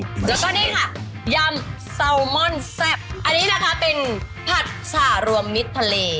แล้วก็นี่ค่ะยำแซลมอนแซ่บอันนี้นะคะเป็นผัดฉ่ารวมมิตรทะเล